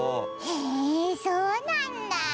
へえそうなんだ！